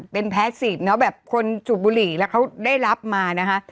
เป็นแพ้สีฟเนอะแบบคนสูบบุหรี่แล้วเขาได้รับมานะคะ